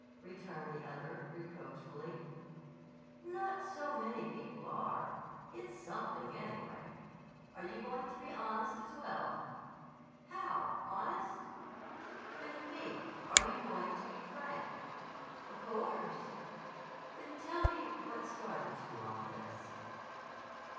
_" returned the other reproachfully. "Not so many people are. It's something, anyway. Are you going to be honest, as well?" "How, honest?" "With me. Are you going to be frank?" "Of course." "Then tell me what started you on this."